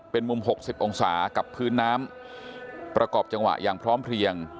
เป็นมุม๖๐องศากับพื้นน้ำประกอบจังหวะอย่างพร้อมเพลียง